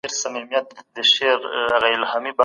اکوړ خان د خپلې قبيلې سردار و